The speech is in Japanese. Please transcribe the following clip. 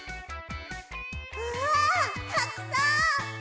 うわたくさん！